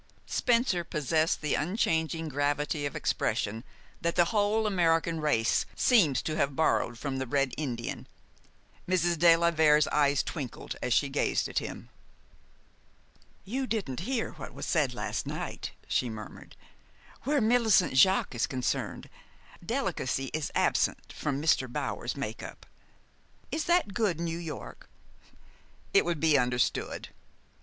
Spencer possessed the unchanging gravity of expression that the whole American race seems to have borrowed from the Red Indian. Mrs. de la Vere's eyes twinkled as she gazed at him. "You didn't hear what was said last night," she murmured. "Where Millicent Jaques is concerned, delicacy is absent from Mr. Bower's make up is that good New York?" "It would be understood."